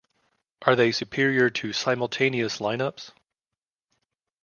Are they superior to simultaneous lineups?